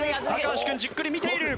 橋君じっくり見ている。